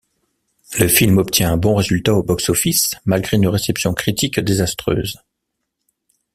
Le film obtient un bon résultat au box-office malgré une réception critique désastreuse.